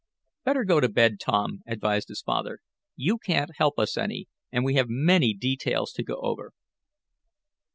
"Better go to bed, Tom," advised his father. "You can't help us any, and we have many details to go over."